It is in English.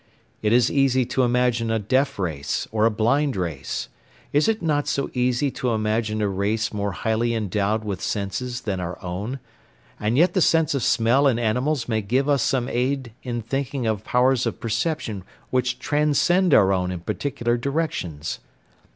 It is easy to imagine a deaf race or a blind race: it is not so easy to imagine a race more highly endowed with senses than our own; and yet the sense of smell in animals may give us some aid in thinking of powers of perception which transcend our own in particular directions.